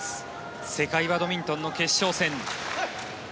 世界バドミントンの決勝戦。